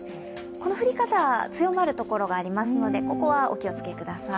この降り方、強まるところがありますので、ここはお気をつけください。